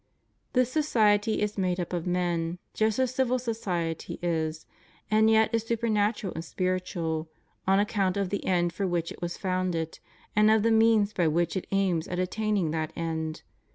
'' This society is made up of men, just as civil society is, and yet is supernatural and spiritual, on account of the end for which it was founded, and of the means by which it aims at attaining that end.